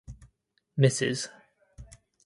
Mrs.